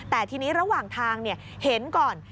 แต่ทีนี้ระหว่างทางเห็นก่อน